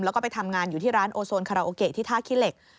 แล้วก็ไปทำงานอยู่ที่ร้านโอโซนคาราโอเกะที่ท่าขี้เหล็ก